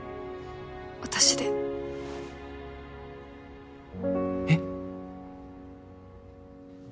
私でえっ？